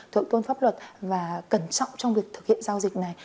thượng tôn pháp luật và cẩn trọng trong việc thực hiện giao dịch này